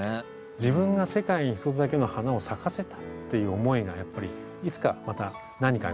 自分が世界に一つだけの花を咲かせたっていう思いがやっぱりいつかまた何かに変わると思うんですね。